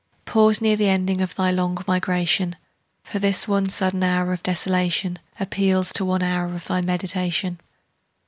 Pause near the ending of thy long migration; For this one sudden hour of desolation Appeals to one hour of thy meditation.